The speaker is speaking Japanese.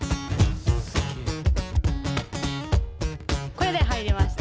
これで入りました。